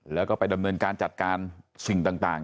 แล้วก็ไปดำเนินการจัดการสิ่งต่าง